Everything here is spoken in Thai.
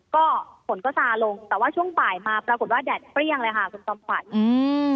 ก็ฝนก็ซาลงแต่ว่าช่วงบ่ายมาปรากฏว่าแดดเปรี้ยงเลยค่ะคุณจอมขวัญอืม